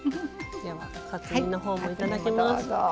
カツ煮のほうもいただきます。